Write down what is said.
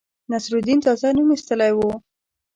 نصرالدین تازه نوم ایستلی وو.